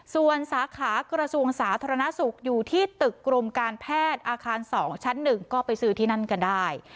ส่วนสาขากระทรวงสาธารณสุขอยู่ที่ตึกกรมการแพทย์อาคาร๒ชั้น๑ก็ไปซื้อที่นั่นกันได้